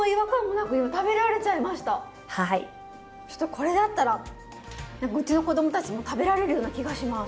これだったら何かうちの子供たちも食べられるような気がします。